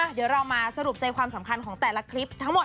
เดี๋ยวเรามาสรุปใจความสำคัญของแต่ละคลิปทั้งหมด